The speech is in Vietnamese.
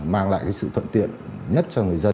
mang lại sự thuận tiện nhất